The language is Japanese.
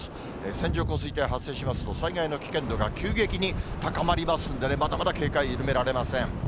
線状降水帯発生しますと、災害の危険度が急激に高まりますので、まだまだ警戒緩められません。